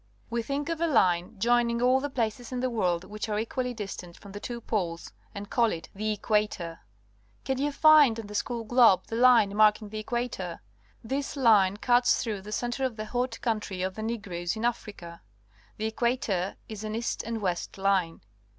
We think of a line joining all the places in the world which are equally distant from the two poles and call it the equator. Can you find on the school globe the line marking the equator? This line cuts through The Western Hemisphere the centre of the hot country of the Negroes in Africa. The equator is an east and west line.